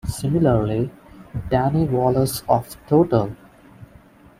Similarly, Danny Wallace of Total!